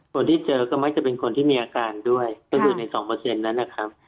คนที่เจอก็มักจะเป็นคนที่มีอาการด้วยก็คือใน๒นั้นนะครับ